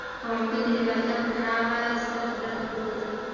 خو ممکن د لېوالتیا پر هغه ستر قدرت نه پوهېده